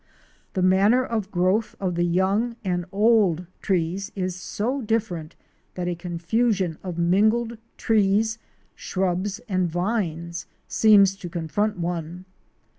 The manner of growth of the young and old trees is so different that a confusion of mingled trees, shrubs, and vines seems to con front one.